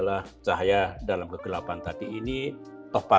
masih yang unikkan cahaya